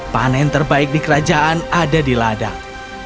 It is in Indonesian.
panen terbaik di kerajaan ada di ladang